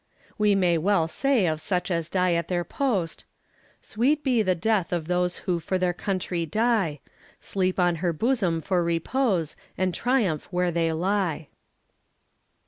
We may well say of such as die at their post: Sweet be the death of those Who for their country die; Sleep on her bosom for repose, And triumph where they lie.